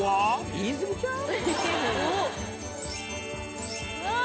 言い過ぎちゃう？